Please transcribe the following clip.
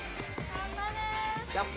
頑張れ。